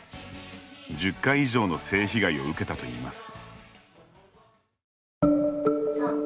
１０回以上の性被害を受けたといいます。